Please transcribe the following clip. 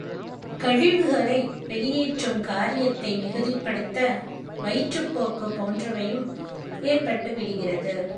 கழிவுகளை வெளியேற்றும் காரியத்தை மிகுதிப்படுத்த, வயிற்றுப் போக்கு போன்றவையும் ஏற்பட்டு விடுகிறது.